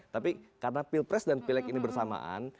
tapi karena pilpres dan pileg ini bersamaan